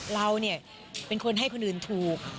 เราเป็นคนให้คนอื่นถูก